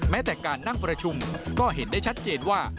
แม้แต่การนั่งประชุมก็เห็นได้ชัดเจนว่า